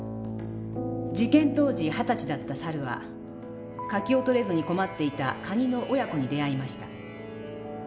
事件当時二十歳だった猿は柿を取れずに困っていたカニの親子に出会いました。